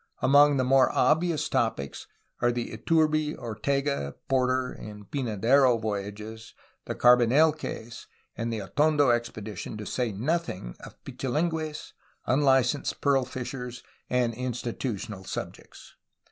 Among the more obvious topics are the Iturbe, Ortega, Porter, and Pyna dero voyages, the Carbonel case, and the Atondo expedition, to say noth ing of Pichilingues, unlicensed pearl fishers, and institutional subjects.